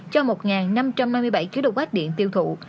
cho một năm trăm năm mươi bảy kwh điện tiêu thụ